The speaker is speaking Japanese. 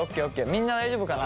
みんな大丈夫かな？